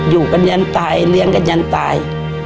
อยู่กันยันตายเลี้ยงกันยันตาย